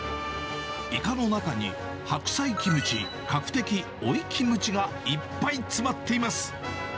イカの中に白菜キムチ、カクテキ、オイキムチがいっぱい詰まっています。